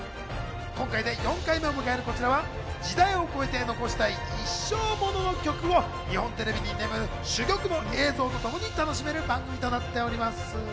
今回で４回目を迎えるこちらは時代を超えて残したい一生モノの曲を日本テレビに眠る珠玉の映像とともに楽しめる番組となっております。